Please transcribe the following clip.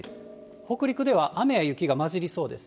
北陸では雨や雪が交じりそうです。